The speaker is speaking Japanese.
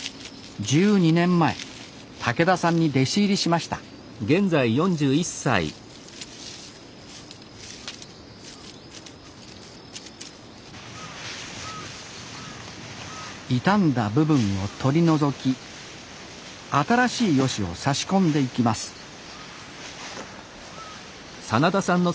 １２年前竹田さんに弟子入りしました傷んだ部分を取り除き新しいヨシを差し込んでいきますえ？